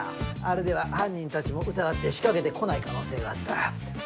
あれでは犯人たちも疑って仕掛けてこない可能性があった。